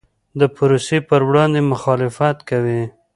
د پروسې پر وړاندې مخالفت کوي.